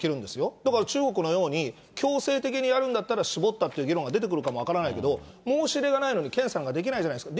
だから中国のように、強制的にやるんだったら絞ったっていう議論が出てくるかもわからないけど、申し入れがないのに、検査なんてできないじゃないですか。